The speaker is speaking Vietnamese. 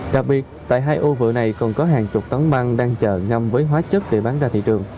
đặc biệt tại hai ô vựa này còn có hàng chục tấn măng đang chờ nhầm với hóa chất để bán ra thị trường